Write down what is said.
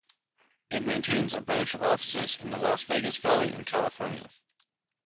It maintains branch offices in the Las Vegas Valley and California.